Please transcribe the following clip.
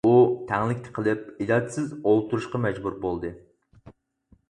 ئۇ تەڭلىكتە قېلىپ ئىلاجىسىز ئولتۇرۇشقا مەجبۇر بولدى.